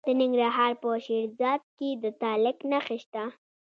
د ننګرهار په شیرزاد کې د تالک نښې شته.